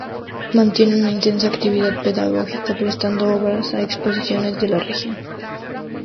Mantiene una intensa actividad pedagógica, prestando obras a exposiciones en la región.